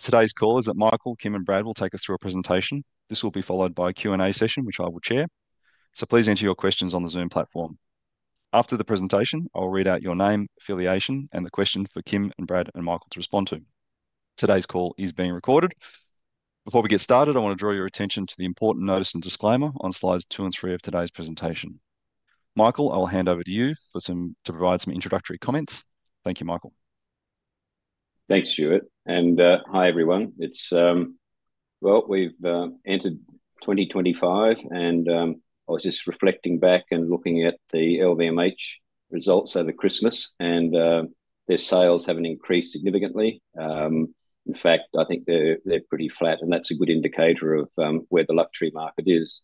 For today's call, Michael, Kim, and Brad will take us through a presentation. This will be followed by a Q&A session, which I will chair. So please enter your questions on the Zoom platform. After the presentation, I'll read out your name, affiliation, and the question for Kim and Brad and Michael to respond to. Today's call is being recorded. Before we get started, I want to draw your attention to the important notice and disclaimer on slides two and three of today's presentation. Michael, I will hand over to you to provide some introductory comments. Thank you, Michael. Thanks, Stuart. And hi, everyone. It's well, we've entered 2025, and I was just reflecting back and looking at the LVMH results over Christmas, and their sales haven't increased significantly. In fact, I think they're pretty flat, and that's a good indicator of where the luxury market is.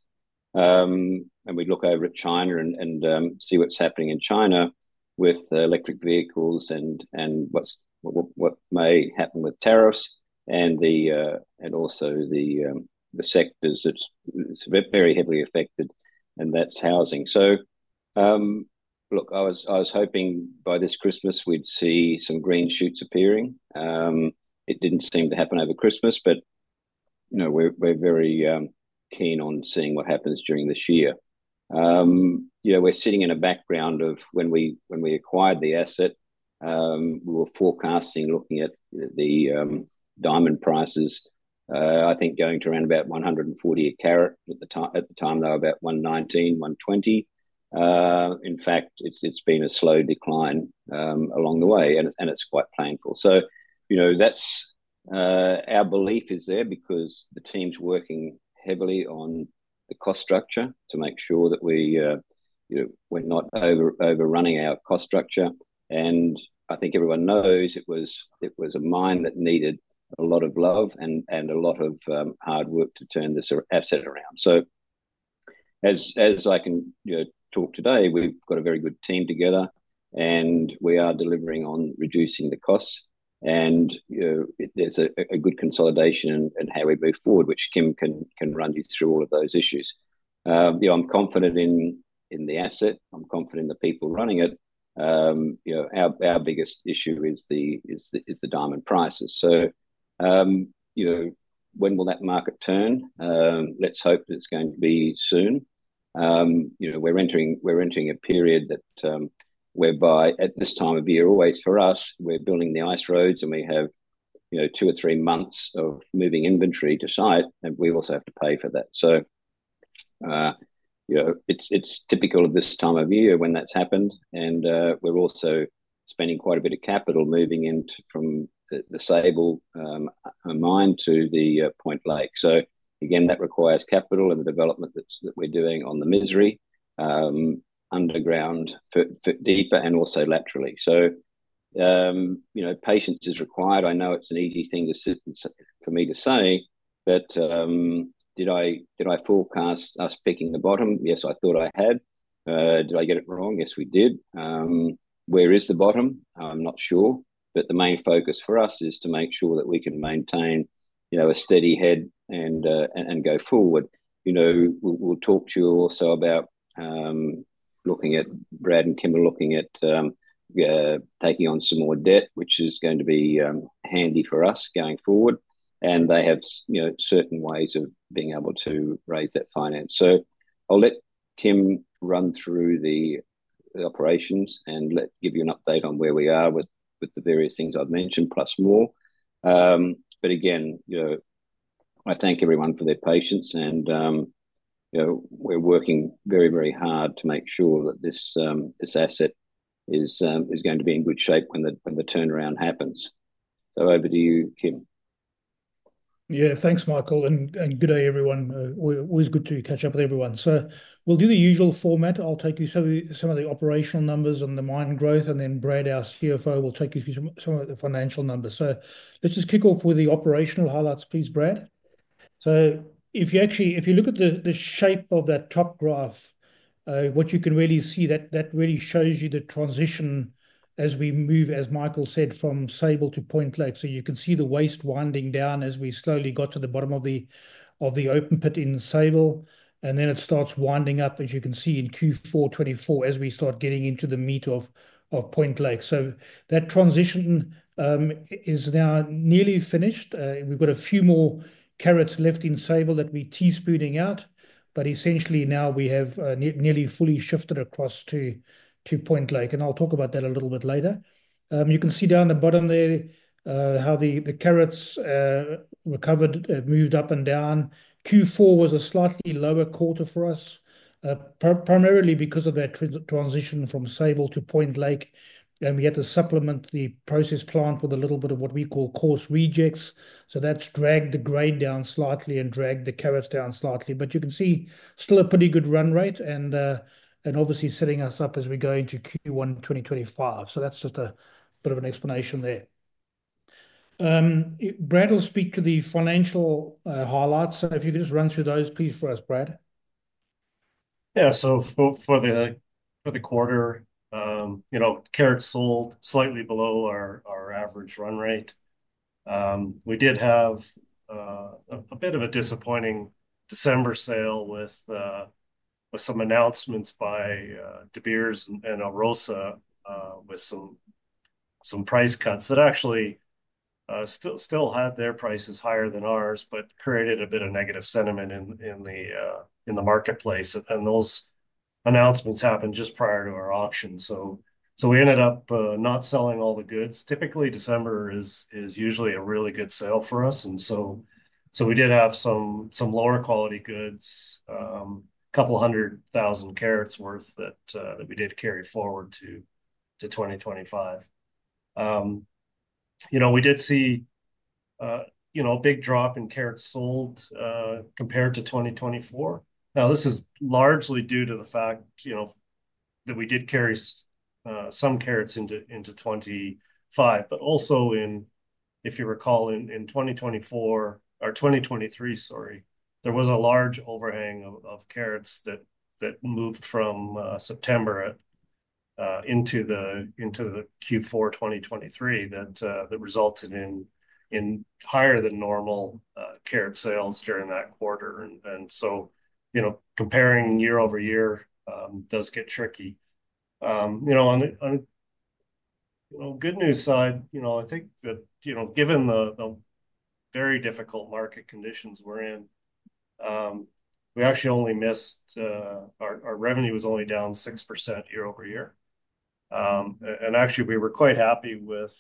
And we look over at China and see what's happening in China with electric vehicles and what may happen with tariffs and also the sectors that's very heavily affected, and that's housing. So, look, I was hoping by this Christmas we'd see some green shoots appearing. It didn't seem to happen over Christmas, but you know, we're very keen on seeing what happens during this year. You know, we're sitting in a background of when we, when we acquired the asset, we were forecasting, looking at the diamond prices, I think going to around about 140 a carat at the time. At the time though, about 119, 120. In fact, it's been a slow decline along the way, and it's quite painful. You know, that's our belief is there because the team's working heavily on the cost structure to make sure that we, you know, we're not overrunning our cost structure. I think everyone knows it was a mine that needed a lot of love and a lot of hard work to turn this asset around. As I can, you know, talk today, we've got a very good team together, and we are delivering on reducing the costs. You know, there's a good consolidation and how we move forward, which Kim can run you through all of those issues. You know, I'm confident in the asset. I'm confident in the people running it. You know, our biggest issue is the diamond prices. So, you know, when will that market turn? Let's hope that it's going to be soon. You know, we're entering a period that, whereby at this time of year, always for us, we're building the ice roads, and we have, you know, two or three months of moving inventory to site, and we also have to pay for that. So, you know, it's typical of this time of year when that's happened. We're also spending quite a bit of capital moving into from the Sable mine to the Point Lake. So again, that requires capital and the development that we're doing on the Misery underground, 400 foot deeper and also laterally. You know, patience is required. I know it's an easy thing for me to say, but did I forecast us picking the bottom? Yes, I thought I had. Did I get it wrong? Yes, we did. Where is the bottom? I'm not sure, but the main focus for us is to make sure that we can maintain, you know, a steady head and go forward. You know, we'll talk to you also about looking at. Brad and Kim are looking at taking on some more debt, which is going to be handy for us going forward. And they have, you know, certain ways of being able to raise that finance. So I'll let Kim run through the operations and let give you an update on where we are with the various things I've mentioned, plus more. But again, you know, I thank everyone for their patience and, you know, we're working very, very hard to make sure that this, this asset is, is going to be in good shape when the turnaround happens. So over to you, Kim. Yeah, thanks, Michael. And, and good day, everyone. Always good to catch up with everyone. So we'll do the usual format. I'll take you through some of the operational numbers and the mine growth, and then Brad Baylis, CFO, will take you through some of the financial numbers. So let's just kick off with the operational highlights, please, Brad. So if you actually, if you look at the shape of that top graph, what you can really see that really shows you the transition as we move, as Michael said, from Sable to Point Lake. So you can see the waste winding down as we slowly got to the bottom of the open pit in Sable, and then it starts winding up, as you can see in Q4 2024, as we start getting into the meat of Point Lake. So that transition is now nearly finished. We've got a few more carats left in Sable that we're teaspooning out, but essentially now we have nearly fully shifted across to Point Lake. And I'll talk about that a little bit later. You can see down the bottom there how the carats recovered moved up and down. Q4 was a slightly lower quarter for us, primarily because of that transition from Sable to Point Lake. And we had to supplement the process plant with a little bit of what we call coarse rejects. So that's dragged the grade down slightly and dragged the carats down slightly. But you can see still a pretty good run rate and obviously setting us up as we go into Q1 2025. So that's just a bit of an explanation there. Brad will speak to the financial highlights. So if you could just run through those, please, for us, Brad. Yeah. So for the quarter, you know, carats sold slightly below our average run rate. We did have a bit of a disappointing December sale with some announcements by De Beers and Alrosa, with some price cuts that actually still had their prices higher than ours, but created a bit of negative sentiment in the marketplace. And those announcements happened just prior to our auction. So we ended up not selling all the goods. Typically, December is usually a really good sale for us. And so we did have some lower quality goods, a couple hundred thousand carats worth that we did carry forward to 2025. You know, we did see, you know, a big drop in carats sold, compared to 2024. Now, this is largely due to the fact, you know, that we did carry some carats into 2025, but also, if you recall, in 2024 or 2023, sorry, there was a large overhang of carats that moved from September '24 into the Q4 2023 that resulted in higher than normal carat sales during that quarter. And so, you know, comparing year over year does get tricky. You know, on the good news side, you know, I think that, you know, given the very difficult market conditions we're in, we actually only missed. Our revenue was only down 6% year over year. And actually we were quite happy with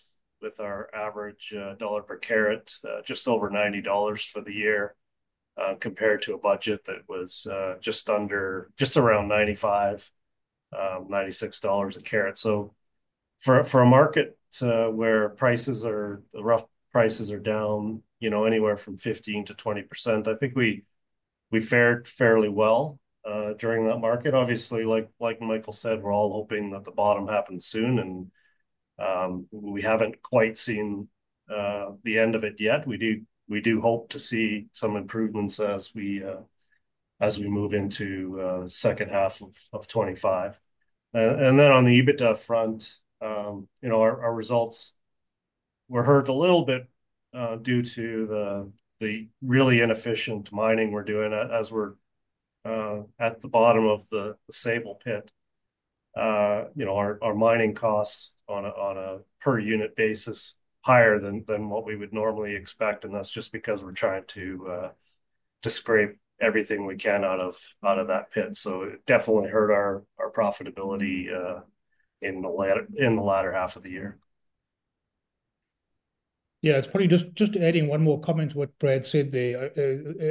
our average dollar per carat, just over $90 for the year, compared to a budget that was just under, just around $95-$96 a carat. For a market where the rough prices are down, you know, anywhere from 15%-20%, I think we fared fairly well during that market. Obviously, like Michael said, we're all hoping that the bottom happens soon and we haven't quite seen the end of it yet. We do hope to see some improvements as we move into the second half of 2025. And then on the EBITDA front, you know, our results were hurt a little bit due to the really inefficient mining we're doing as we're at the bottom of the Sable pit. You know, our mining costs on a per unit basis higher than what we would normally expect. And that's just because we're trying to scrape everything we can out of that pit. So it definitely hurt our profitability in the latter half of the year. Yeah, it's probably just adding one more comment to what Brad said there.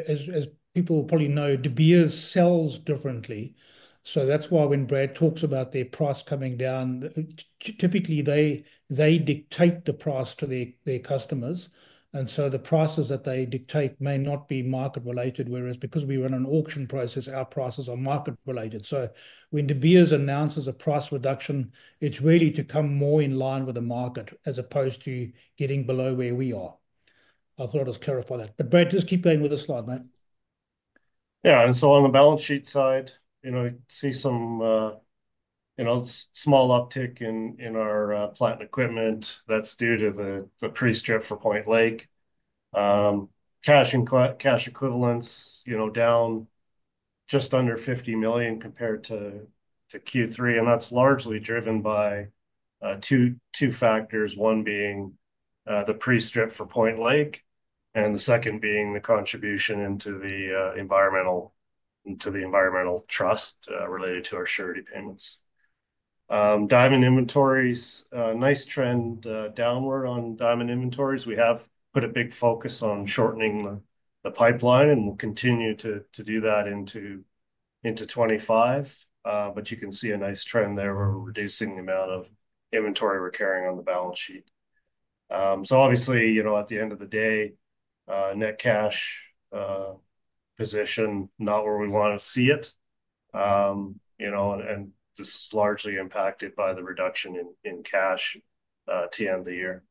As people probably know, De Beers sells differently. So that's why when Brad talks about their price coming down, typically they dictate the price to their customers. And so the prices that they dictate may not be market related, whereas because we run an auction process, our prices are market related. So when De Beers announces a price reduction, it's really to come more in line with the market as opposed to getting below where we are. I thought I'd just clarify that, but Brad, just keep going with the slide, mate. Yeah. And so on the balance sheet side, you know, we see some, you know, small uptick in our plant equipment. That's due to the pre-strip for Point Lake. Cash and cash equivalents, you know, down just under $50 million compared to Q3. And that's largely driven by two factors. One being the pre-strip for Point Lake and the second being the contribution into the environmental trust related to our surety payments. Diamond inventories, nice trend downward on diamond inventories. We have put a big focus on shortening the pipeline and we'll continue to do that into 2025, but you can see a nice trend there where we're reducing the amount of inventory we're carrying on the balance sheet, so obviously, you know, at the end of the day, net cash position not where we want to see it. You know, and this is largely impacted by the reduction in cash at the end of the year.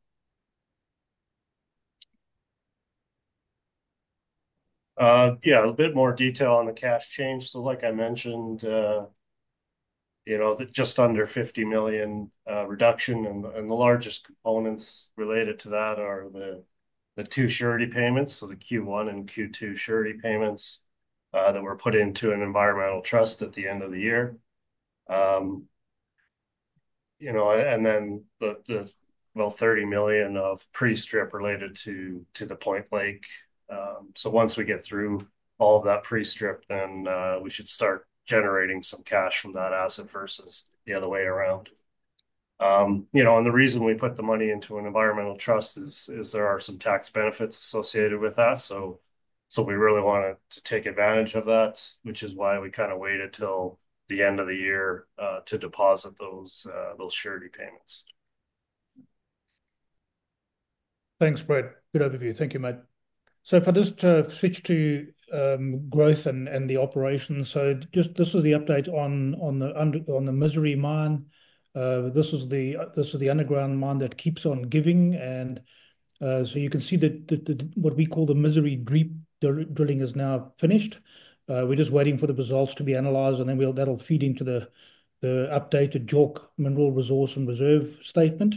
Yeah, a bit more detail on the cash change. Like I mentioned, you know, just under 50 million reduction. And the largest components related to that are the two surety payments. So the Q1 and Q2 surety payments that were put into an environmental trust at the end of the year. You know, and then the well 30 million of pre-strip related to the Point Lake. Once we get through all of that pre-strip, then we should start generating some cash from that asset versus the other way around. You know, and the reason we put the money into an environmental trust is there are some tax benefits associated with that. So, we really wanted to take advantage of that, which is why we kind of waited till the end of the year, to deposit those surety payments. Thanks, Brad. Good overview. Thank you, Matt. So if I just switch to growth and the operations. So just this was the update on the Misery Mine. This was the underground mine that keeps on giving. And so you can see that the what we call the Misery drilling is now finished. We're just waiting for the results to be analyzed and then we'll. That'll feed into the updated JORC Mineral Resource and Reserve statement.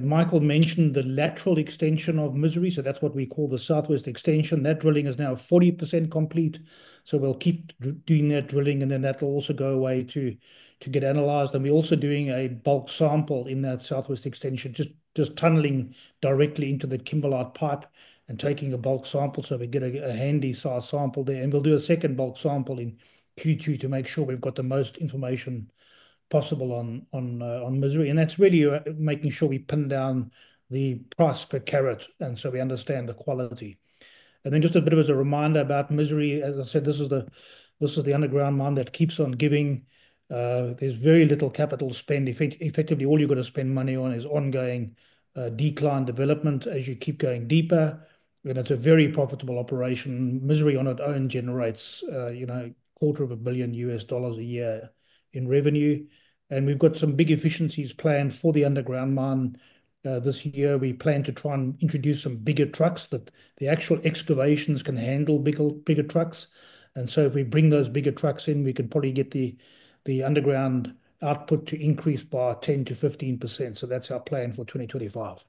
Michael mentioned the lateral extension of Misery. So that's what we call the southwest extension. That drilling is now 40% complete. So we'll keep doing that drilling and then that'll also go away to get analyzed. And we're also doing a bulk sample in that southwest extension, just tunneling directly into the kimberlite pipe and taking a bulk sample. We get a handy size sample there and we'll do a second bulk sample in Q2 to make sure we've got the most information possible on Misery. And that's really making sure we pin down the price per carat. And so we understand the quality. And then just a bit of as a reminder about Misery, as I said, this is the underground mine that keeps on giving. There's very little capital spend. Effectively, all you're gonna spend money on is ongoing, decline development as you keep going deeper. And it's a very profitable operation. Misery on its own generates, you know, $250 million a year in revenue. And we've got some big efficiencies planned for the underground mine. This year we plan to try and introduce some bigger trucks that the actual excavations can handle bigger, bigger trucks. And so if we bring those bigger trucks in, we could probably get the underground output to increase by 10%-15%. So that's our plan for 2025.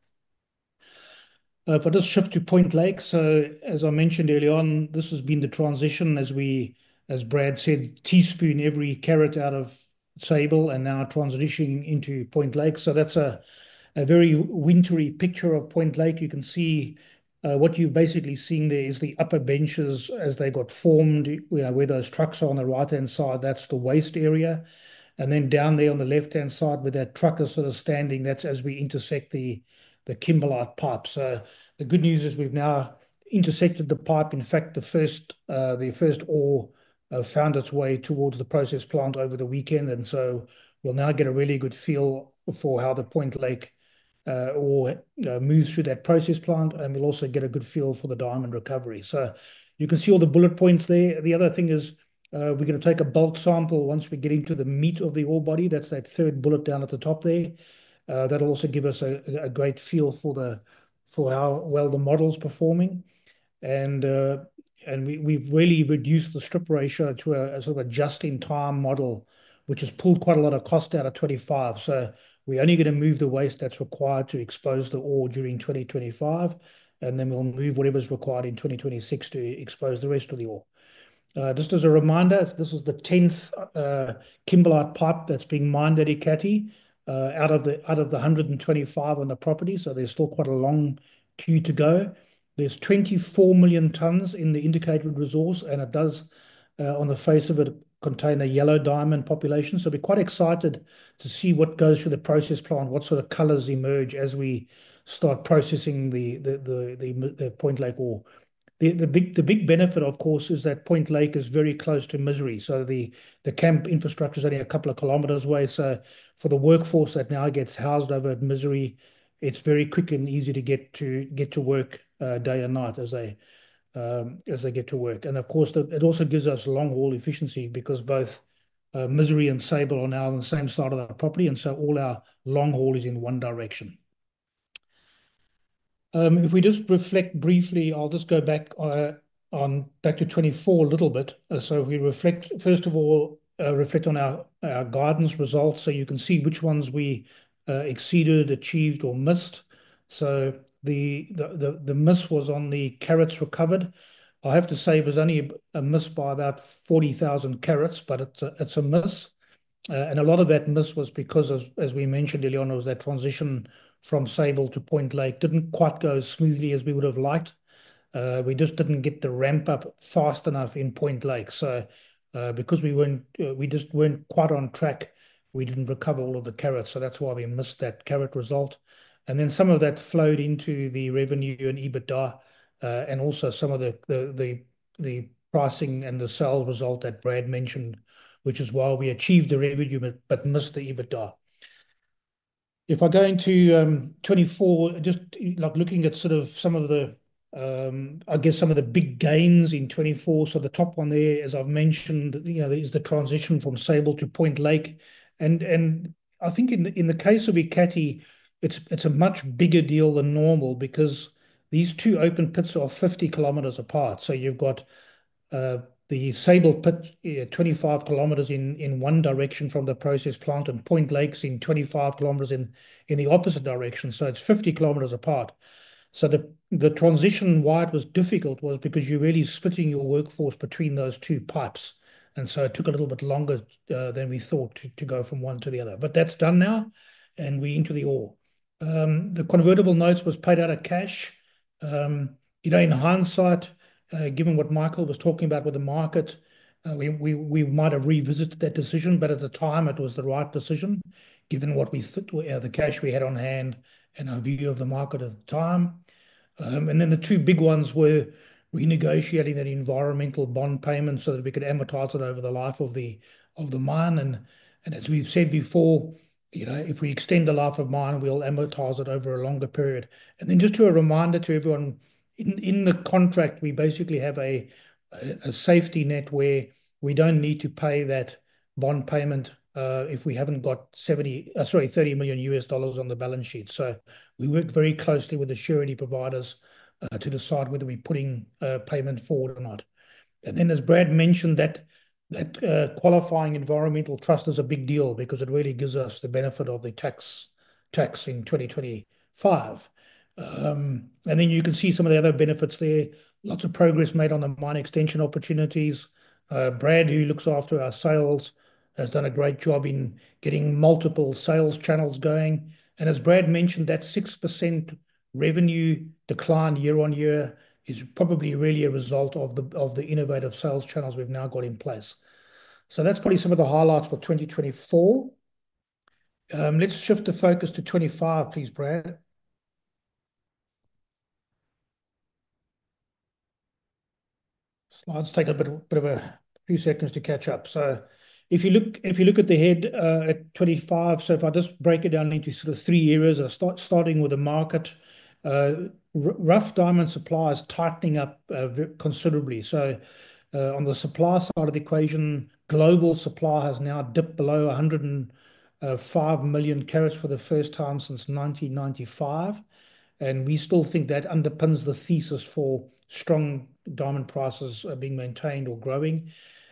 If I just shift to Point Lake. So as I mentioned early on, this has been the transition as we, as Brad said, teaspoon every carat out of Sable and now transitioning into Point Lake. So that's a very wintry picture of Point Lake. You can see, what you're basically seeing there is the upper benches as they got formed, you know, where those trucks are on the right hand side, that's the waste area. And then down there on the left hand side where that truck is sort of standing, that's as we intersect the Kimberlite pipe. So the good news is we've now intersected the pipe. In fact, the first ore found its way towards the process plant over the weekend. And so we'll now get a really good feel for how the Point Lake ore moves through that process plant. And we'll also get a good feel for the diamond recovery. So you can see all the bullet points there. The other thing is, we're gonna take a bulk sample once we get into the meat of the ore body. That's that third bullet down at the top there. That'll also give us a great feel for how well the model's performing. And we've really reduced the strip ratio to a sort of adjusting time model, which has pulled quite a lot of cost out of 25. We're only gonna move the waste that's required to expose the ore during 2025. And then we'll move whatever's required in 2026 to expose the rest of the ore. Just as a reminder, this is the 10th Kimberlite pipe that's being mined at Ekati, out of the 125 on the property. So there's still quite a long queue to go. There's 24 million tons in the Indicated Resource. And it does, on the face of it, contain a yellow diamond population. So we're quite excited to see what goes through the process plant, what sort of colors emerge as we start processing the Point Lake ore. The big benefit, of course, is that Point Lake is very close to Misery. So the camp infrastructure's only a couple of kilometers away. So for the workforce that now gets housed over at Misery, it's very quick and easy to get to work, day and night as they get to work. And of course, it also gives us long haul efficiency because both Misery and Sable are now on the same side of the property. And so all our long haul is in one direction. If we just reflect briefly, I'll just go back on back to 2024 a little bit. So, first of all, we reflect on our guidance results. So you can see which ones we exceeded, achieved, or missed. So the miss was on the carats recovered. I have to say it was only a miss by about 40,000 carats, but it's a miss. And a lot of that miss was because of, as we mentioned earlier, it was that transition from Sable to Point Lake didn't quite go smoothly as we would've liked. We just didn't get the ramp up fast enough in Point Lake. So, because we weren't, we just weren't quite on track, we didn't recover all of the carats. So that's why we missed that carat result. And then some of that flowed into the revenue and EBITDA, and also some of the pricing and the sales result that Brad mentioned, which is why we achieved the revenue, but missed the EBITDA. If I go into 2024, just like looking at sort of some of the, I guess some of the big gains in 2024. So the top one there, as I've mentioned, you know, is the transition from Sable to Point Lake. I think in the case of Ekati, it's a much bigger deal than normal because these two open pits are 50 km apart. So you've got the Sable pit 25 km in one direction from the process plant and Point Lake in 25 km in the opposite direction. So it's 50 km apart. So the transition why it was difficult was because you're really splitting your workforce between those two pipes. And so it took a little bit longer than we thought to go from one to the other. But that's done now and we're into the ore. The convertible notes was paid out of cash. You know, in hindsight, given what Michael was talking about with the market, we might have revisited that decision, but at the time it was the right decision given what we thought, the cash we had on hand and our view of the market at the time. Then the two big ones were renegotiating that environmental bond payment so that we could amortize it over the life of the mine. As we've said before, you know, if we extend the life of mine, we'll amortize it over a longer period. Then just as a reminder to everyone in the contract, we basically have a safety net where we don't need to pay that bond payment, if we haven't got $70 million, sorry, $30 million on the balance sheet. So we work very closely with the surety providers to decide whether we're putting payment forward or not. And then as Brad mentioned, that qualifying environmental trust is a big deal because it really gives us the benefit of the tax in 2025. And then you can see some of the other benefits there. Lots of progress made on the mine extension opportunities. Brad, who looks after our sales, has done a great job in getting multiple sales channels going. And as Brad mentioned, that 6% revenue decline year on year is probably really a result of the innovative sales channels we've now got in place. So that's probably some of the highlights for 2024. Let's shift the focus to 2025, please, Brad. Let's take a bit of a few seconds to catch up. If you look at the head, at 25 so far, just break it down into sort of three areas. Starting with the market, rough diamond supply is tightening up considerably. On the supply side of the equation, global supply has now dipped below 105 million carats for the first time since 1995. We still think that underpins the thesis for strong diamond prices being maintained or growing.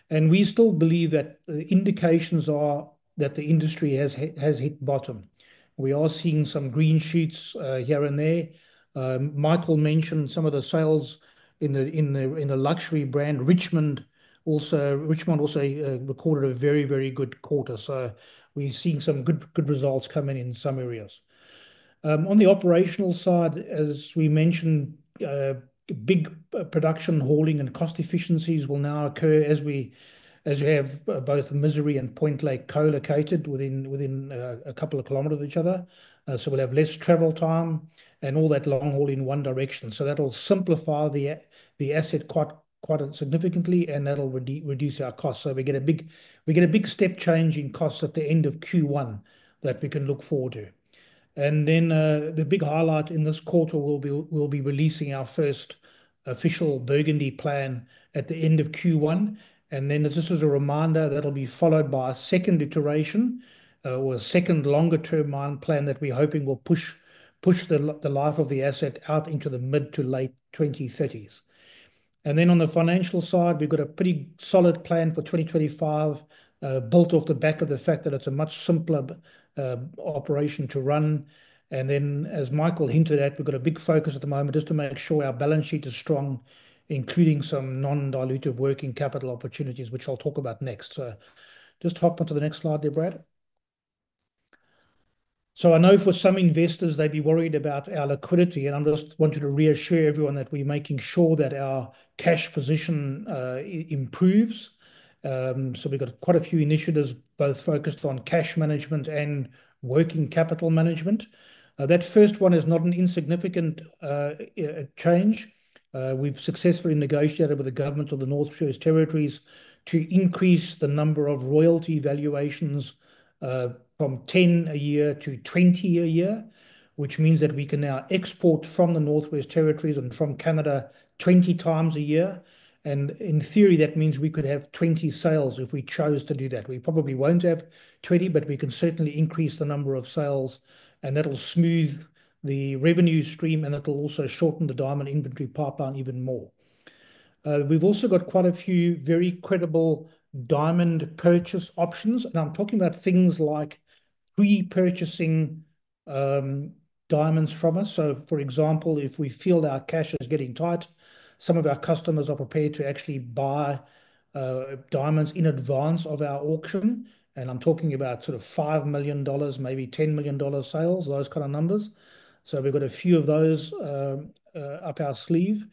We still believe that the indications are that the industry has hit bottom. We are seeing some green shoots, here and there. Michael mentioned some of the sales in the luxury brand Richemont. Richemont recorded a very, very good quarter. We are seeing some good, good results coming in some areas. On the operational side, as we mentioned, big production hauling and cost efficiencies will now occur as we have both Misery and Point Lake co-located within a couple of kilometers of each other, so we'll have less travel time and all that long haul in one direction. That'll simplify the asset quite significantly and that'll reduce our costs. We get a big step change in costs at the end of Q1 that we can look forward to, and then the big highlight in this quarter will be we'll be releasing our first official Burgundy plan at the end of Q1. This is a reminder that'll be followed by a second iteration, or a second longer term mine plan that we're hoping will push the life of the asset out into the mid to late 2030s. And then on the financial side, we've got a pretty solid plan for 2025, built off the back of the fact that it's a much simpler operation to run. And then, as Michael hinted at, we've got a big focus at the moment just to make sure our balance sheet is strong, including some non-dilutive working capital opportunities, which I'll talk about next. So just hop onto the next slide there, Brad. So I know for some investors, they'd be worried about our liquidity. And I just wanted to reassure everyone that we are making sure that our cash position improves. So we've got quite a few initiatives both focused on cash management and working capital management. That first one is not an insignificant change. We've successfully negotiated with the government of the Northwest Territories to increase the number of royalty valuations from 10 a year to 20 a year, which means that we can now export from the Northwest Territories and from Canada 20 times a year. And in theory, that means we could have 20 sales if we chose to do that. We probably won't have 20, but we can certainly increase the number of sales and that'll smooth the revenue stream and it'll also shorten the diamond inventory pipeline even more. We've also got quite a few very credible diamond purchase options. And I'm talking about things like repurchasing diamonds from us. So for example, if we feel our cash is getting tight, some of our customers are prepared to actually buy diamonds in advance of our auction. I'm talking about sort of $5 million, maybe $10 million sales, those kind of numbers. We've got a few of those up our sleeve.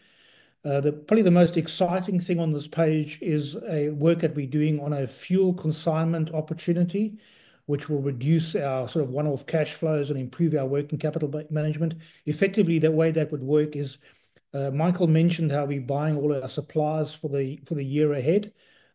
The probably most exciting thing on this page is work that we are doing on a fuel consignment opportunity, which will reduce our sort of one-off cash flows and improve our working capital management. Effectively, the way that would work is Michael mentioned how we are buying all of our supplies for the year ahead.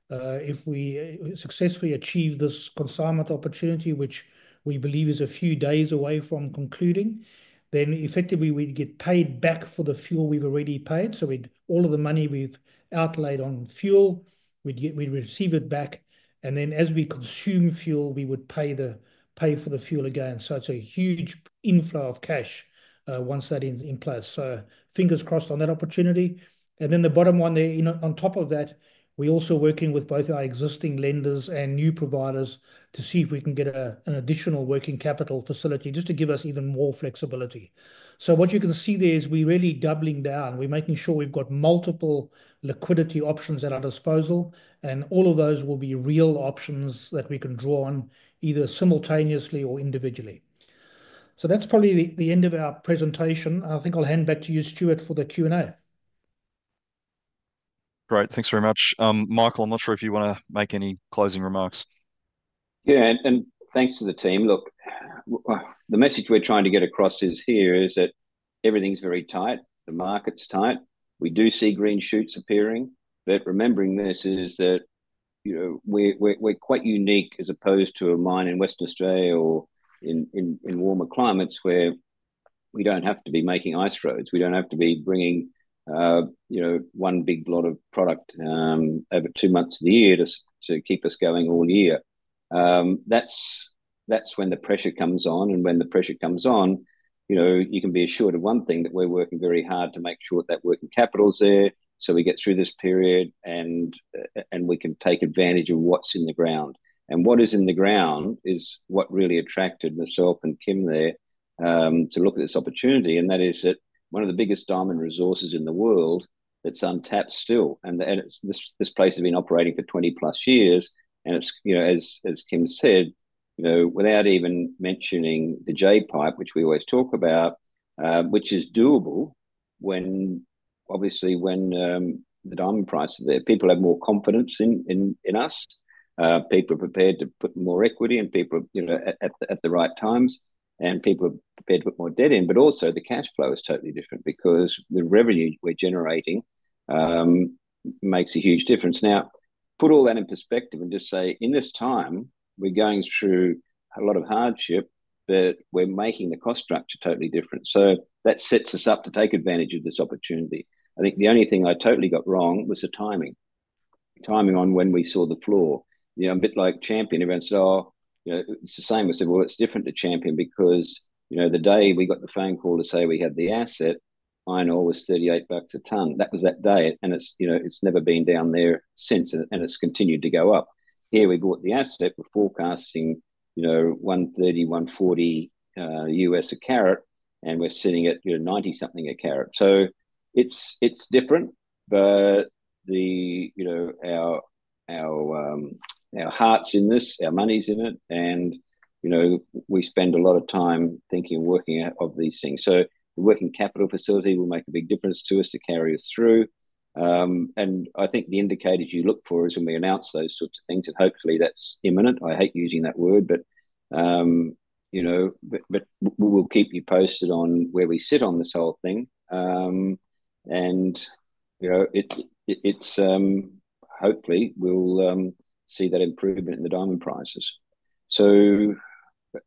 If we successfully achieve this consignment opportunity, which we believe is a few days away from concluding, then effectively we'd get paid back for the fuel we've already paid. So we'd all of the money we've outlaid on fuel, we'd get it back. Then as we consume fuel, we would pay for the fuel again. So it's a huge inflow of cash, once that is in place. So fingers crossed on that opportunity. And then the bottom one there, you know, on top of that, we're also working with both our existing lenders and new providers to see if we can get an additional working capital facility just to give us even more flexibility. So what you can see there is we're really doubling down. We're making sure we've got multiple liquidity options at our disposal. And all of those will be real options that we can draw on either simultaneously or individually. So that's probably the end of our presentation. I think I'll hand back to you, Stuart, for the Q and A. Great, thanks very much. Michael, I'm not sure if you wanna make any closing remarks. Yeah, and thanks to the team. Look, the message we're trying to get across is here is that everything's very tight. The market's tight. We do see green shoots appearing. But remembering this is that, you know, we're quite unique as opposed to a mine in Western Australia or in warmer climates where we don't have to be making ice roads. We don't have to be bringing, you know, one big lot of product, over two months of the year to keep us going all year. That's when the pressure comes on. And when the pressure comes on, you know, you can be assured of one thing, that we're working very hard to make sure that working capital's there so we get through this period and we can take advantage of what's in the ground. What is in the ground is what really attracted myself and Kim there, to look at this opportunity. That is one of the biggest diamond resources in the world that's untapped still. And it's this place has been operating for 20 plus years. And it's, you know, as Kim said, you know, without even mentioning the Jay pipe, which we always talk about, which is doable when, obviously, the diamond price is there, people have more confidence in us. People are prepared to put more equity and, you know, at the right times, people are prepared to put more debt in. But also the cash flow is totally different because the revenue we're generating makes a huge difference. Now, put all that in perspective and just say in this time we are going through a lot of hardship, but we are making the cost structure totally different. So that sets us up to take advantage of this opportunity. I think the only thing I totally got wrong was the timing, timing on when we saw the floor. You know, a bit like Champion events. Oh, you know, it's the same. We said, well, it's different to Champion because, you know, the day we got the phone call to say we had the asset, I know it was $38 a ton. That was that day. And it's, you know, it's never been down there since and, and it's continued to go up. Here we bought the asset. We're forecasting, you know, $130-$140 a carat and we're sitting at, you know, $90-something a carat. So it's different, but you know, our heart's in this, our money's in it. You know, we spend a lot of time thinking, working out these things. The working capital facility will make a big difference to us to carry us through. I think the indicators you look for is when we announce those sorts of things and hopefully that's imminent. I hate using that word, but you know, but we will keep you posted on where we sit on this whole thing. You know, it's hopefully we'll see that improvement in the diamond prices.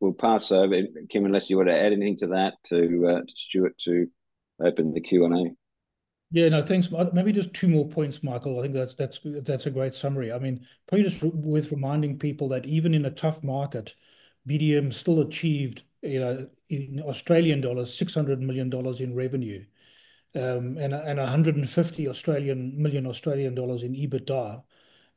We'll pass over, Kim, unless you wanna add anything to that to Stuart to open the Q and A. Yeah, no, thanks. Maybe just two more points, Michael. I think that's a great summary. I mean, probably just with reminding people that even in a tough market, BDM still achieved, you know, in Australian dollars, 600 million dollars in revenue, and 150 million Australian dollars in EBITDA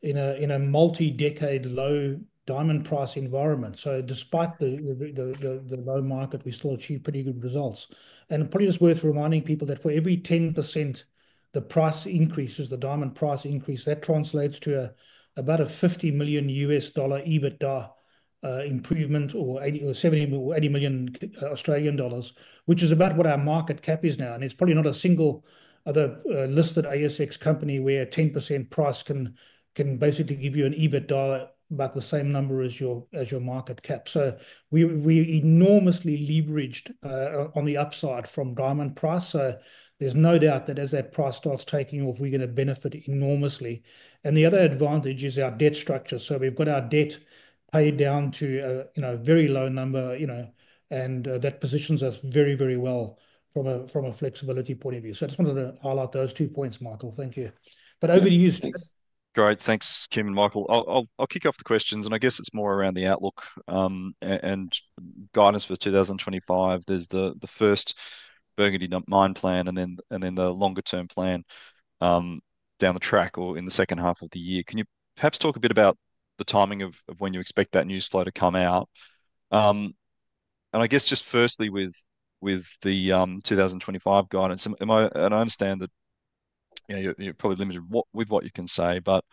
in a multi-decade low diamond price environment. So despite the low market, we still achieved pretty good results. And probably it's worth reminding people that for every 10% the price increases, the diamond price increase, that translates to about a $50 million EBITDA improvement or 80 million or 70 million or 80 million Australian dollars, which is about what our market cap is now. And it's probably not a single other listed ASX company where 10% price can basically give you an EBITDA about the same number as your market cap. So we enormously leveraged on the upside from diamond price. So there's no doubt that as that price starts taking off, we are gonna benefit enormously. And the other advantage is our debt structure. So we've got our debt paid down to a, you know, very low number, you know, and that positions us very, very well from a, from a flexibility point of view. So I just wanted to highlight those two points, Michael. Thank you. But over to you, Stuart. Great. Thanks, Kim and Michael. I'll kick off the questions and I guess it's more around the outlook, and guidance for 2025. There's the first Burgundy Mine Plan and then the longer term plan, down the track or in the second half of the year. Can you perhaps talk a bit about the timing of when you expect that news flow to come out? And I guess just firstly with the 2025 guidance, am I, and I understand that, you know, you're probably limited with what you can say, but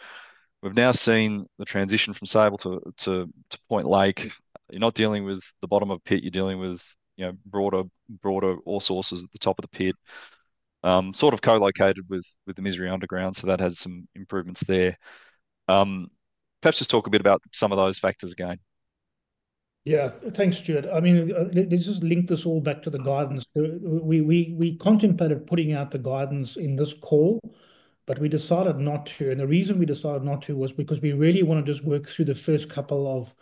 we've now seen the transition from Sable to Point Lake. You're not dealing with the bottom of pit. You're dealing with, you know, broader all sources at the top of the pit, sort of co-located with the Misery underground. So that has some improvements there. Perhaps just talk a bit about some of those factors again. Yeah, thanks, Stuart. I mean, let's just link this all back to the guidance. We contemplated putting out the guidance in this call, but we decided not to. The reason we decided not to was because we really wanna just work through the first couple of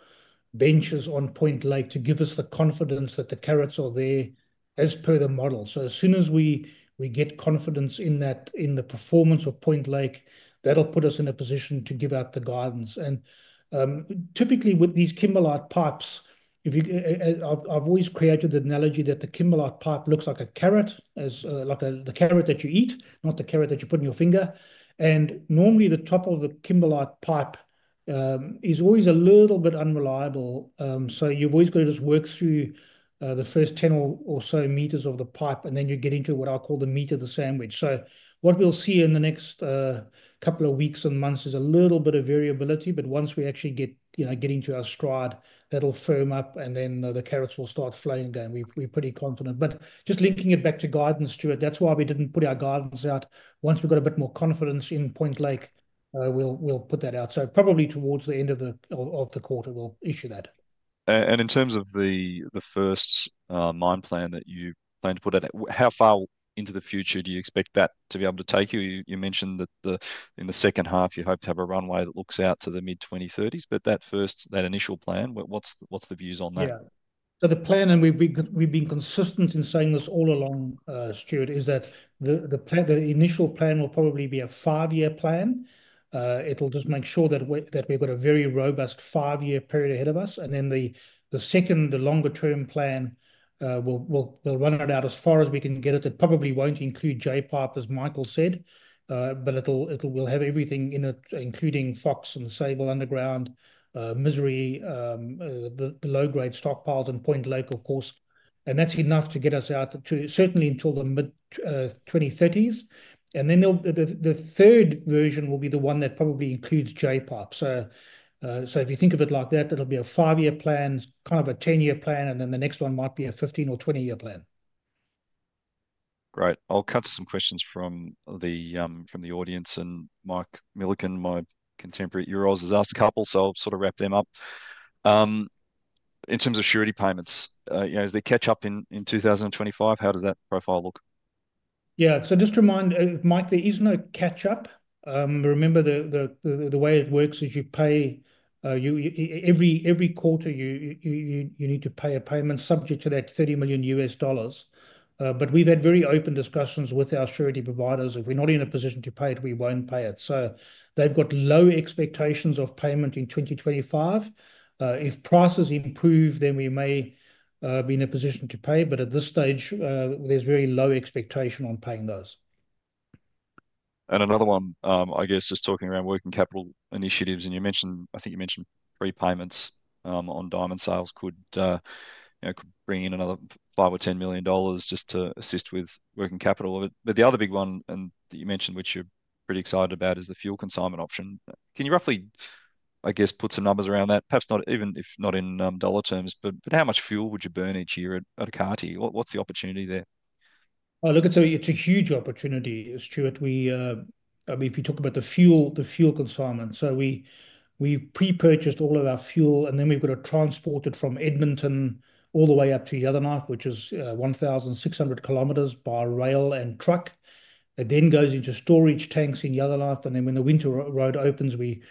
benches on Point Lake to give us the confidence that the carats are there as per the model. As soon as we get confidence in that, in the performance of Point Lake, that'll put us in a position to give out the guidance. Typically with these Kimberlite pipes, I've always created the analogy that the Kimberlite pipe looks like a carat, like a, the carat that you eat, not the carat that you put in your finger. Normally the top of the Kimberlite pipe is always a little bit unreliable. You've always gotta just work through the first 10 or so meters of the pipe and then you get into what I'll call the meat of the sandwich. So what we'll see in the next couple of weeks and months is a little bit of variability. But once we actually get, you know, get into our stride, that'll firm up and then the carats will start flowing again. We are pretty confident, but just linking it back to guidance, Stuart, that's why we didn't put our guidance out. Once we've got a bit more confidence in Point Lake, we'll put that out. So probably towards the end of the quarter we'll issue that. And in terms of the first mine plan that you plan to put out, how far into the future do you expect that to be able to take you? You mentioned that in the second half you hope to have a runway that looks out to the mid 2030s, but that first, that initial plan, what's the views on that? Yeah, so the plan, and we've been consistent in saying this all along, Stuart, is that the plan, the initial plan will probably be a five year plan. It'll just make sure that we've got a very robust five year period ahead of us. And then the second, the longer term plan, we'll run it out as far as we can get it. It probably won't include Jay, as Michael said, but it'll, we'll have everything in it, including Fox and Sable Underground, Misery, the low grade stockpiles and Point Lake, of course. That's enough to get us out to certainly until the mid-2030s. Then there'll be the third version will be the one that probably includes Jay. So if you think of it like that, it'll be a five-year plan, kind of a 10-year plan, and then the next one might be a 15- or 20-year plan. Great. I'll cut to some questions from the audience. And Mike Millikan, my contemporary, has asked a couple, so I'll sort of wrap them up. In terms of surety payments, you know, is there catch-up in 2025? Yeah, so just to remind, Mike, there is no catch-up. Remember the way it works is you pay every quarter you need to pay a payment subject to that $30 million. But we've had very open discussions with our surety providers. If we're not in a position to pay it, we won't pay it. So they've got low expectations of payment in 2025. If prices improve, then we may be in a position to pay. But at this stage, there's very low expectation on paying those. Another one, I guess just talking around working capital initiatives. You mentioned, I think you mentioned repayments on diamond sales could, you know, could bring in another $5 million or $10 million just to assist with working capital of it. But the other big one, and that you mentioned, which you're pretty excited about, is the fuel consignment option. Can you roughly, I guess, put some numbers around that? Perhaps not even if not in dollar terms, but how much fuel would you burn each year at Ekati? What's the opportunity there? Oh, look, it's a huge opportunity, Stuart. I mean, if you talk about the fuel, the fuel consignment, so we pre-purchased all of our fuel and then we've gotta transport it from Edmonton all the way up to Yellowknife, which is 1,600 km by rail and truck. It then goes into storage tanks in Yellowknife. Then when the winter road opens, we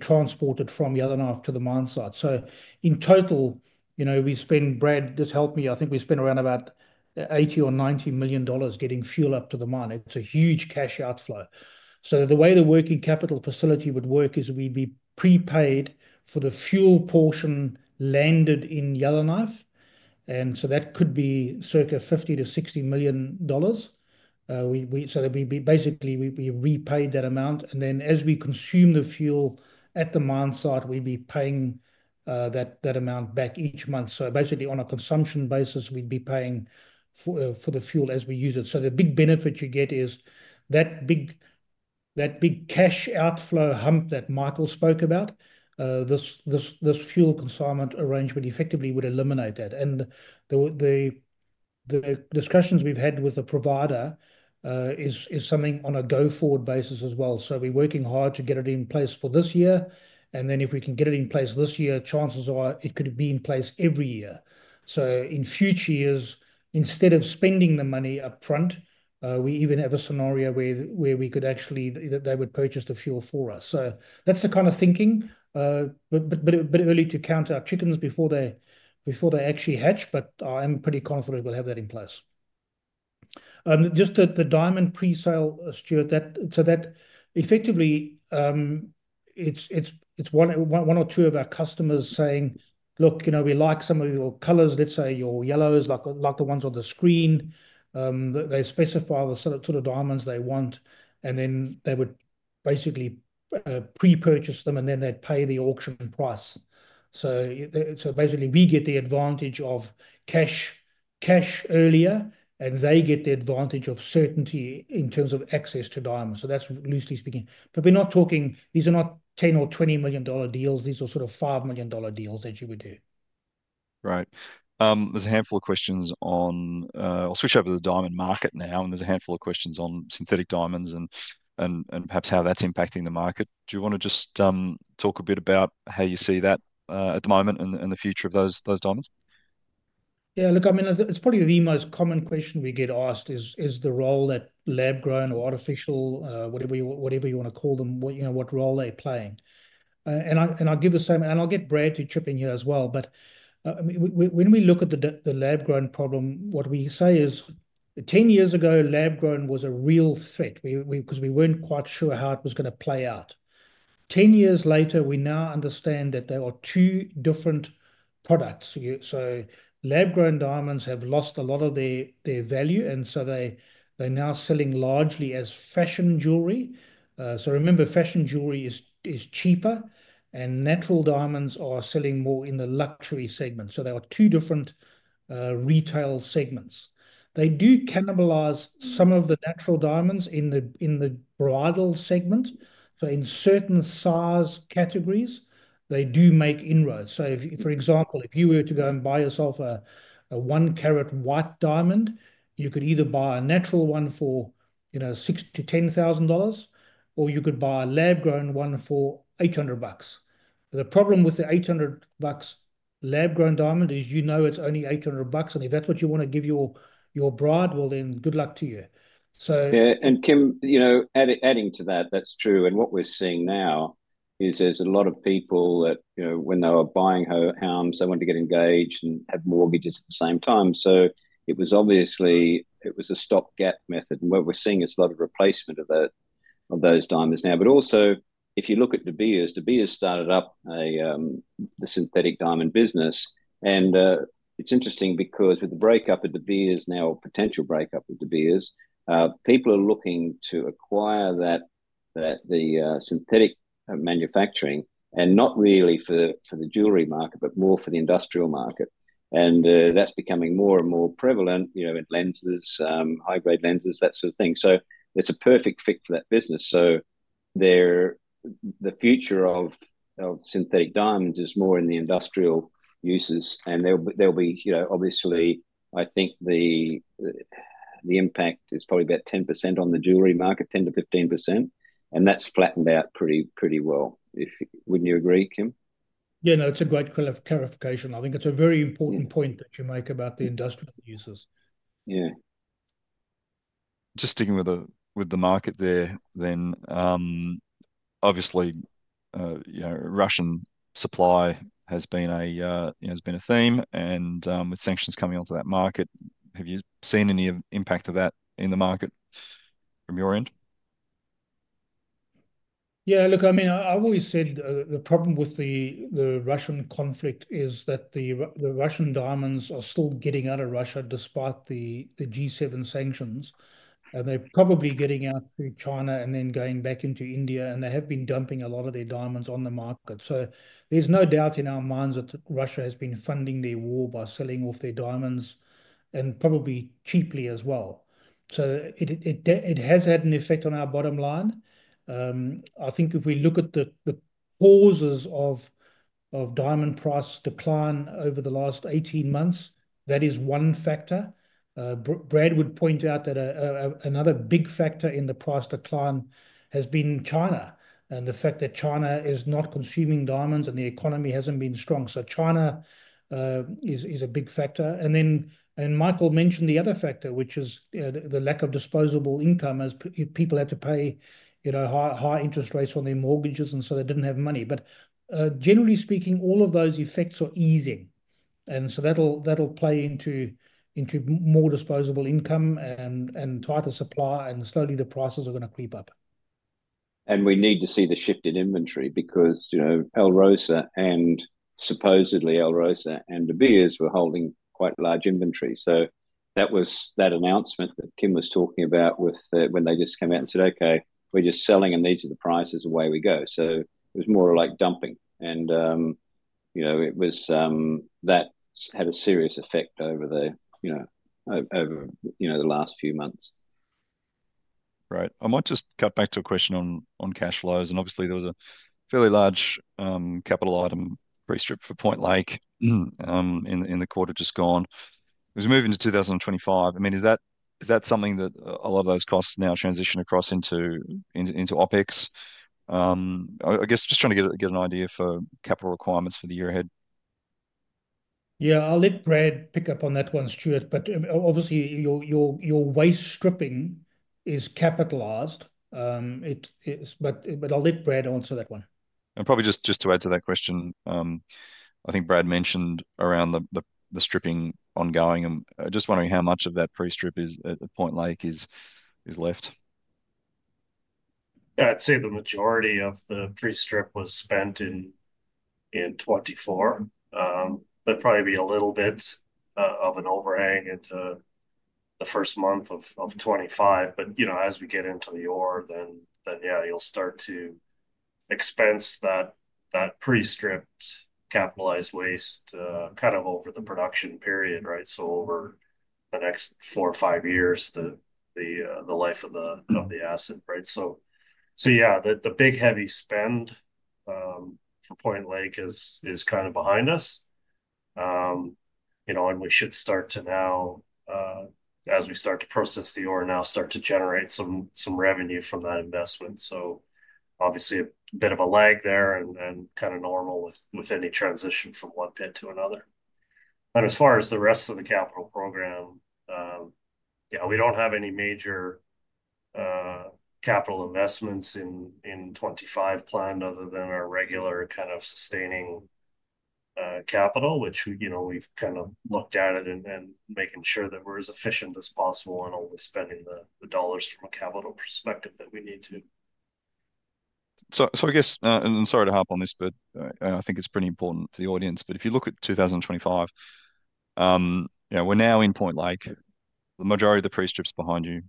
transport it from Yellowknife to the mine site. In total, you know, we spend, Brad, just help me. I think we spend around about $80-$90 million getting fuel up to the mine. It's a huge cash outflow. So the way the working capital facility would work is we'd be prepaid for the fuel portion landed in Yellowknife. And so that could be circa $50-$60 million. So that we'd be basically repaid that amount. And then as we consume the fuel at the mine site, we'd be paying that amount back each month. So basically on a consumption basis, we'd be paying for the fuel as we use it. So the big benefit you get is that big cash outflow hump that Michael spoke about. This fuel consignment arrangement effectively would eliminate that. And the discussions we've had with the provider is something on a going forward basis as well. So we are working hard to get it in place for this year. And then if we can get it in place this year, chances are it could be in place every year. So in future years, instead of spending the money upfront, we even have a scenario where we could actually, that they would purchase the fuel for us. So that's the kind of thinking, but early to count our chickens before they actually hatch. But I am pretty confident we'll have that in place. Just the diamond presale, Stuart, so that effectively, it's one or two of our customers saying, look, you know, we like some of your colors, let's say your yellows, like the ones on the screen. They specify the sort of diamonds they want and then they would basically pre-purchase them and then they'd pay the auction price. So they, so basically we get the advantage of cash, cash earlier and they get the advantage of certainty in terms of access to diamonds. So that's loosely speaking, but we are not talking, these are not $10 million or $20 million dollar deals. These are sort of $5 million dollar deals that you would do. Right. There's a handful of questions on, I'll switch over to the diamond market now. And there's a handful of questions on synthetic diamonds and perhaps how that's impacting the market. Do you wanna just talk a bit about how you see that at the moment and the future of those, those diamonds? Yeah, look, I mean, it's probably the most common question we get asked is the role that lab grown or artificial, whatever you, whatever you wanna call them, what, you know, what role they're playing. And I'll give the same, and I'll get Brad to chip in here as well. But I mean, when we look at the lab-grown problem, what we say is 10 years ago, lab-grown was a real threat. We 'cause we weren't quite sure how it was gonna play out. 10 years later, we now understand that there are two different products. You so lab-grown diamonds have lost a lot of their value. And so they, they're now selling largely as fashion jewelry. So remember, fashion jewelry is cheaper and natural diamonds are selling more in the luxury segment. So there are two different retail segments. They do cannibalize some of the natural diamonds in the bridal segment. So in certain size categories, they do make inroads. So if you, for example, if you were to go and buy yourself a one carat white diamond, you could either buy a natural one for, you know, $6,000-$10,000, or you could buy a lab-grown one for $800. The problem with the $800 lab-grown diamond is, you know, it's only $800. And if that's what you wanna give your bride, well then good luck to you. So. Yeah. Kim, you know, adding to that, that's true. And what we're seeing now is there's a lot of people that, you know, when they were buying her house, they wanted to get engaged and have mortgages at the same time. So it was obviously a stop-gap method. And what we're seeing is a lot of replacement of that, of those diamonds now. But also if you look at De Beers, De Beers started up the synthetic diamond business. And it's interesting because with the breakup at De Beers, now potential breakup with De Beers, people are looking to acquire that the synthetic manufacturing and not really for the jewelry market, but more for the industrial market. And that's becoming more and more prevalent, you know, with lenses, high grade lenses, that sort of thing. So it's a perfect fit for that business. So the future of synthetic diamonds is more in the industrial uses. And there'll be, you know, obviously I think the impact is probably about 10% on the jewelry market, 10%-15%. And that's flattened out pretty, pretty well. Wouldn't you agree, Kim? Yeah. No, it's a great clarification. I think it's a very important point that you make about the industrial users. Yeah. Just sticking with the market there then, obviously, you know, Russian supply has been a theme and, with sanctions coming onto that market, have you seen any impact of that in the market from your end? Yeah. Look, I mean, I've always said the problem with the Russian conflict is that the Russian diamonds are still getting outta Russia despite the G7 sanctions. And they're probably getting out through China and then going back into India. And they have been dumping a lot of their diamonds on the market. So there's no doubt in our minds that Russia has been funding their war by selling off their diamonds and probably cheaply as well. It has had an effect on our bottom line. I think if we look at the causes of diamond price decline over the last 18 months, that is one factor. Brad would point out that another big factor in the price decline has been China and the fact that China is not consuming diamonds and the economy hasn't been strong. So China is a big factor. And then Michael mentioned the other factor, which is the lack of disposable income as people had to pay, you know, high interest rates on their mortgages. And so they didn't have money. But, generally speaking, all of those effects are easing. And so that'll play into more disposable income and tighter supply and slowly the prices are gonna creep up. We need to see the shift in inventory because, you know, Alrosa and supposedly Alrosa and De Beers were holding quite large inventory. So that was that announcement that Kim was talking about with, when they just came out and said, okay, we're just selling and these are the prices the way we go. So it was more like dumping. And, you know, it was, that had a serious effect over the, you know, the last few months. Right. I might just cut back to a question on cash flows. And obviously there was a fairly large capital item pre-strip for Point Lake in the quarter just gone. As we move into 2025, I mean, is that something that a lot of those costs now transition across into OPEX? I guess just trying to get an idea for capital requirements for the year ahead. Yeah. I'll let Brad pick up on that one, Stuart. But obviously your waste stripping is capitalized. It is, but I'll let Brad answer that one. And probably just to add to that question, I think Brad mentioned around the stripping ongoing. I'm just wondering how much of that pre-strip at the Point Lake is left. I'd say the majority of the pre-strip was spent in 2024. There'd probably be a little bit of an overhang into the first month of 2025. But you know, as we get into the ore, then yeah, you'll start to expense that pre-stripped capitalized waste kind of over the production period, right? So over the next four or five years, the life of the asset, right? So yeah, the big heavy spend for Point Lake is kind of behind us, you know, and we should start to now, as we start to process the ore, now start to generate some revenue from that investment. So obviously a bit of a lag there and kind of normal with any transition from one pit to another. As far as the rest of the capital program, yeah, we don't have any major capital investments in 2025 planned other than our regular kind of sustaining capital, which we, you know, we've kind of looked at it and making sure that we're as efficient as possible and only spending the dollars from a capital perspective that we need to. So I guess, and I'm sorry to hop on this, but I think it's pretty important for the audience. But if you look at 2025, you know, we're now in Point Lake, the majority of the pre-strip's behind you.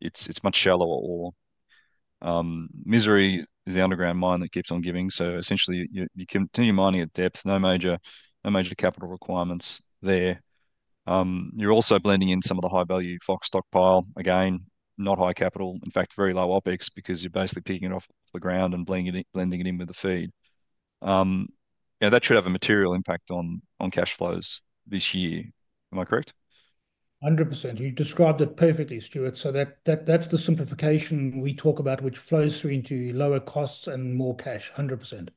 It's much shallower ore, Misery is the underground mine that keeps on giving. So essentially you continue mining at depth, no major capital requirements there. You're also blending in some of the high value Fox stockpile again, not high capital, in fact very low OpEx because you're basically picking it off the ground and blending it in with the feed. Yeah, that should have a material impact on cash flows this year. Am I correct? 100%. You described it perfectly, Stuart. So that's the simplification we talk about, which flows through into lower costs and more cash. 100%.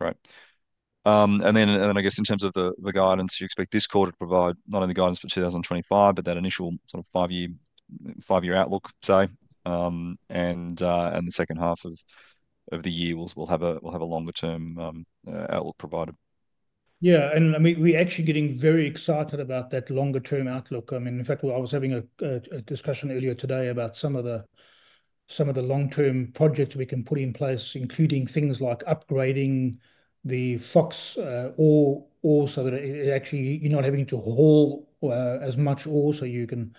Right. And then I guess in terms of the guidance, you expect this quarter to provide not only the guidance for 2025, but that initial sort of five-year outlook, say, and the second half of the year will have a longer-term outlook provided. Yeah. And I mean, we actually getting very excited about that longer-term outlook. I mean, in fact, I was having a discussion earlier today about some of the long-term projects we can put in place, including things like upgrading the Fox ore so that it actually, you're not having to haul as much ore. You can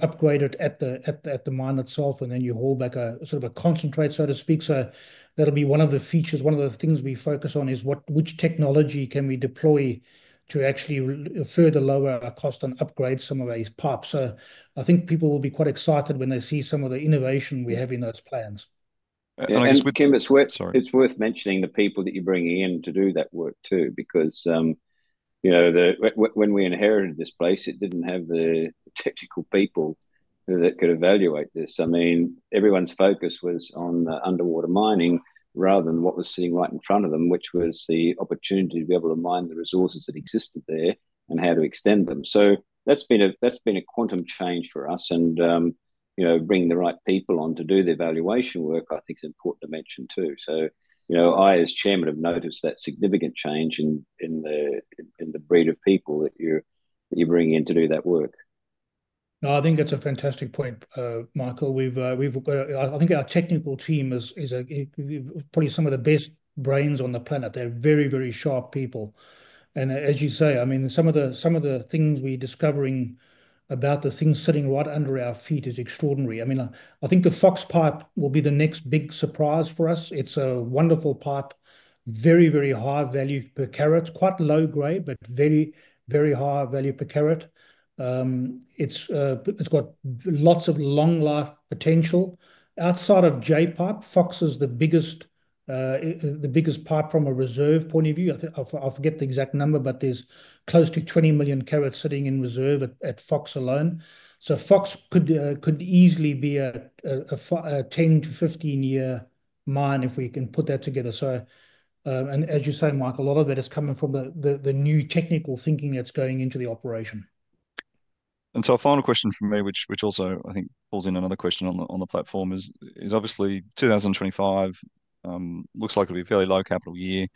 upgrade it at the mine itself and then you haul back a sort of a concentrate, so to speak. So that'll be one of the features, one of the things we focus on is which technology can we deploy to actually further lower our cost and upgrade some of these pipes. So I think people will be quite excited when they see some of the innovation we have in those plans. And I guess with Kim, it's worth mentioning the people that you're bringing in to do that work too, because, you know, when we inherited this place, it didn't have the technical people that could evaluate this. I mean, everyone's focus was on the underwater mining rather than what was sitting right in front of them, which was the opportunity to be able to mine the resources that existed there and how to extend them. So that's been a, that's been a quantum change for us. And, you know, bringing the right people on to do the evaluation work, I think is important to mention too. So, you know, I as Chairman have noticed that significant change in, in the, in the breed of people that you're, that you're bringing in to do that work. No, I think that's a fantastic point, Michael. We've, we've, I think our technical team is, is a, probably some of the best brains on the planet. They're very, very sharp people. As you say, I mean, some of the, some of the things we are discovering about the things sitting right under our feet is extraordinary. I mean, I, I think the Fox pipe will be the next big surprise for us. It's a wonderful pipe, very, very high value per carat, quite low grade, but very, very high value per carat. It's got lots of long life potential outside of Jay pipe. Fox is the biggest, the biggest pipe from a reserve point of view. I think I'll forget the exact number, but there's close to 20 million carats sitting in reserve at Fox alone. So Fox could easily be a 10 to 15 year mine if we can put that together. So, and as you say, Mike, a lot of that is coming from the new technical thinking that's going into the operation. And so a final question from me, which also I think pulls in another question on the platform is obviously 2025 looks like it'll be a fairly low capital year,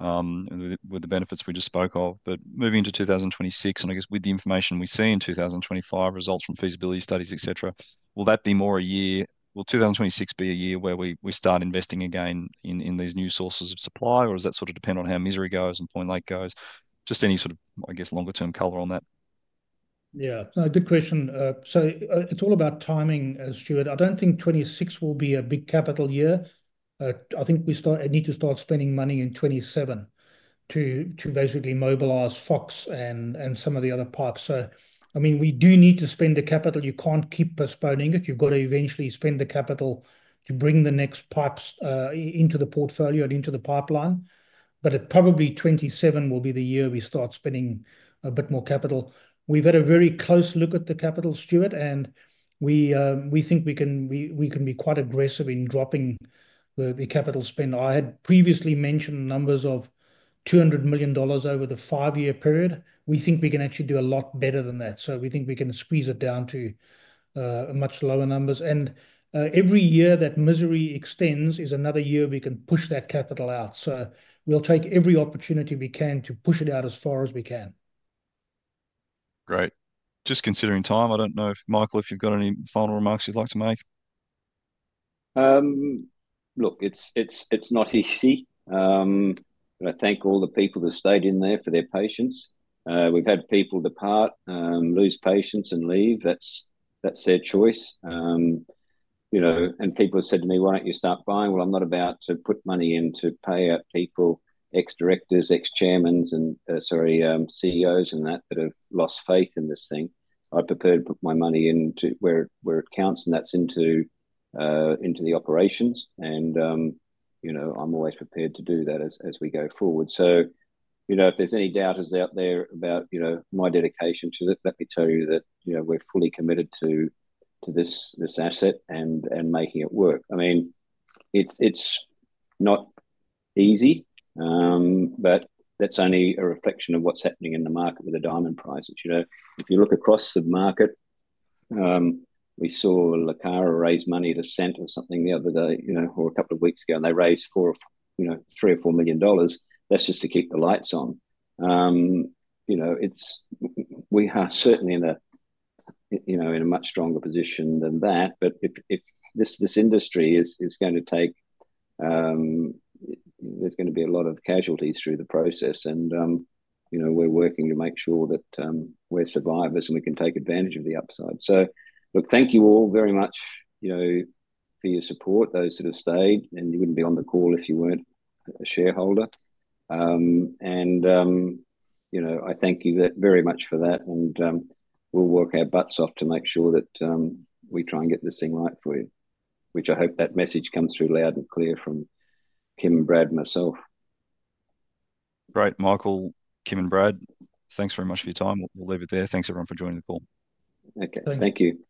with the benefits we just spoke of. But moving into 2026, and I guess with the information we see in 2025 results from feasibility studies, et cetera, will that be more a year? Will 2026 be a year where we start investing again in these new sources of supply? Or does that sort of depend on how Misery goes and Point Lake goes? Just any sort of, I guess, longer term color on that. Yeah. No, good question. So it's all about timing, Stuart. I don't think 2026 will be a big capital year. I think we need to start spending money in 2027 to basically mobilize Fox and some of the other pipes. So, I mean, we do need to spend the capital. You can't keep postponing it. You've gotta eventually spend the capital to bring the next pipes into the portfolio and into the pipeline. But it probably 2027 will be the year we start spending a bit more capital. We've had a very close look at the capital, Stuart, and we think we can be quite aggressive in dropping the capital spend. I had previously mentioned numbers of $200 million over the five-year period. We think we can actually do a lot better than that. So we think we can squeeze it down to much lower numbers. Every year that Misery extends is another year we can push that capital out. So we'll take every opportunity we can to push it out as far as we can. Great. Just considering time, I don't know if Michael, if you've got any final remarks you'd like to make. Look, it's not easy. But I thank all the people that stayed in there for their patience. We've had people depart, lose patience and leave. That's their choice. You know, and people have said to me, why don't you start buying? Well, I'm not about to put money in to pay out people, ex-directors, ex-chairmen, and, sorry, CEOs and that that have lost faith in this thing. I'm prepared to put my money into where it counts. That's into the operations. You know, I'm always prepared to do that as we go forward. So, you know, if there's any doubters out there about, you know, my dedication to it, let me tell you that, you know, we're fully committed to this asset and making it work. I mean, it's not easy, but that's only a reflection of what's happening in the market with the diamond prices. You know, if you look across the market, we saw Lucapa raise money at a cent or something the other day, you know, or a couple of weeks ago, and they raised four, you know, $3-$4 million. That's just to keep the lights on. You know, we are certainly in a, you know, in a much stronger position than that. But if this industry is gonna take, there's gonna be a lot of casualties through the process. And, you know, we're working to make sure that we're survivors and we can take advantage of the upside. So look, thank you all very much, you know, for your support. Those that have stayed, and you wouldn't be on the call if you weren't a shareholder. And, you know, I thank you very much for that. And, we'll work our butts off to make sure that we try and get this thing right for you, which I hope that message comes through loud and clear from Kim, Brad, myself. - Great. Michael, Kim and Brad, thanks very much for your time. We'll leave it there. Thanks everyone for joining the call. - Okay. Thank you.